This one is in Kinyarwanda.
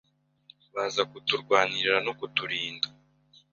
baza kuturwanirira no kuturinda.